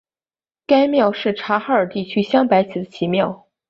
该庙是察哈尔地区镶白旗的旗庙。